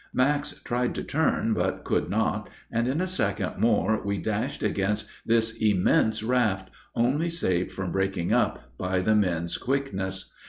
Max tried to turn, but could not, and in a second more we dashed against this immense raft, only saved from breaking up by the men's quickness.